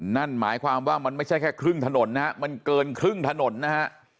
นั่นหมายความว่ามันไม่ใช่แค่ครึ่งถนนนะฮะมันเกินครึ่งถนนนะฮะ